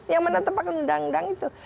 yang menetapkan undang undang itu